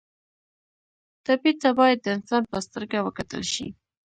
ټپي ته باید د انسان په سترګه وکتل شي.